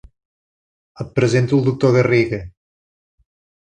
Et presento el doctor Garriga.